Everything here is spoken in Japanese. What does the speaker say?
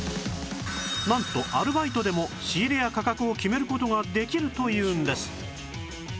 なんとアルバイトでも仕入れや価格を決める事ができるというんです